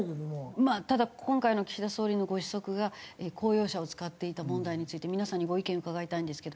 まあただ今回の岸田総理のご子息が公用車を使っていた問題について皆さんにご意見伺いたいんですけど。